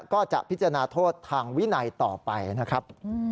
ก็จะพิจารณาโทษทางวินัยต่อไปนะครับ